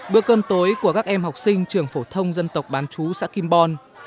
bữa cơm tối của các em học sinh trường phổ thông dân tộc bán chú xã kim bon